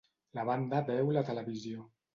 La banda veu la televisió.